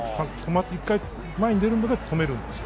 １回前に出るんだけど止めるんですよ。